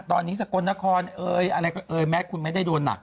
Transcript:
ตอนนี้สกลนครแมทคุณไม่ได้โดนหนัก